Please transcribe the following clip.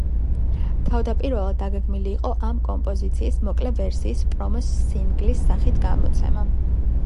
თავდაპირველად დაგეგმილი იყო ამ კომპოზიციის მოკლე ვერსიის პრომო-სინგლის სახით გამოცემა.